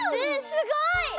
すごい！